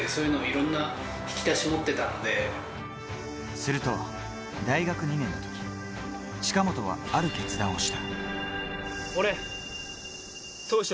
すると大学２年の時、近本はある決断をした。